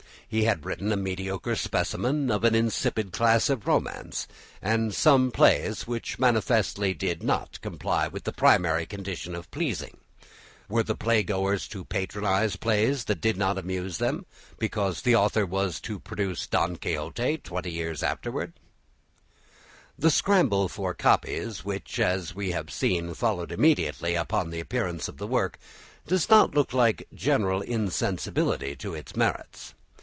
He had written a mediocre specimen of an insipid class of romance, and some plays which manifestly did not comply with the primary condition of pleasing: were the playgoers to patronise plays that did not amuse them, because the author was to produce "Don Quixote" twenty years afterwards? The scramble for copies which, as we have seen, followed immediately on the appearance of the book, does not look like general insensibility to its merits.